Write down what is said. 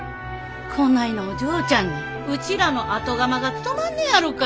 こないなお嬢ちゃんにうちらの後釜が務まんねやろか？